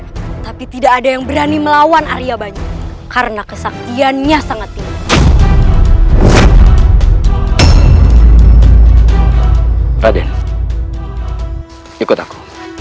raden ikut aku